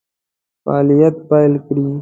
فعالیت پیل کړي.